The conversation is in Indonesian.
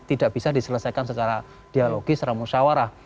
tidak bisa diselesaikan secara dialogis ramusyawarah